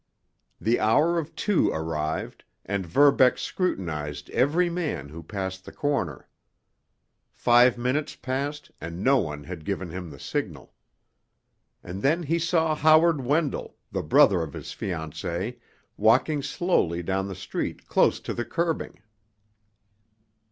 The hour of two arrived, and Verbeck scrutinized every man who passed the corner. Five minutes passed, and no one had given him the signal. And then he saw Howard Wendell, the brother of his fiancée, walking slowly down the street close to the curbing.